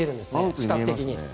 視覚的に。